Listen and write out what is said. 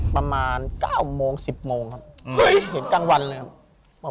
ประมาณ๙โมง๑๐โมงครับเคยเห็นกลางวันเลยครับ